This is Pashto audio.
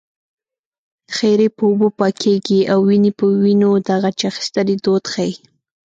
خیرې په اوبو پاکېږي او وينې په وينو د غچ اخیستنې دود ښيي